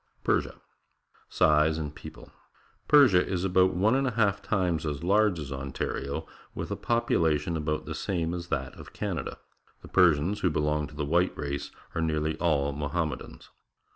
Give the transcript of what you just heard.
PERSIA Size and People. — Persia is about one and a half times as large as Ontario, with a population about the same as that of Canada. The Persians, who belong to the white race, are nearly all Mohammedans.